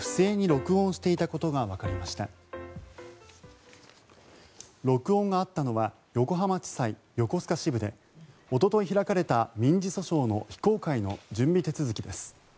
録音があったのは横浜地裁横須賀支部でおととい開かれた民事訴訟の非公開の準備手続きです。